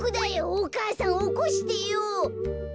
お母さんおこしてよ。